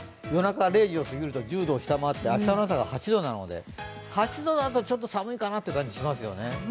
夜中０時を過ぎると１０度を下回って明日の朝は８度なので８度だと、ちょっと寒いかなという感じですね。